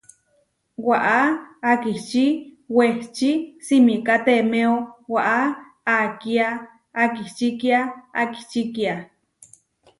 Waʼá akiči wehči simikátemeo waʼá akía akičikia akičikia.